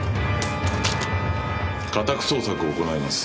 家宅捜索を行います。